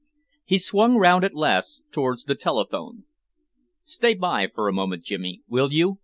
He swung round at last towards the telephone. "Stand by for a moment, Jimmy, will you?"